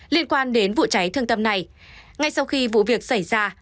liên quan đến vụ cháy thương tâm này ngay sau khi vụ việc xảy ra